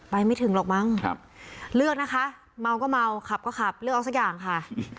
ไม่ถึงหรอกมั้งเลือกนะคะเมาก็เมาขับก็ขับเลือกเอาสักอย่างค่ะ